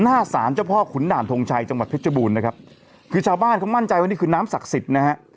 หน้าศาลเจ้าพ่อขุนด่านทงชัยจังหวัดเพชรบูรณ์นะครับคือชาวบ้านเขามั่นใจว่านี่คือน้ำศักดิ์สิทธิ์นะฮะ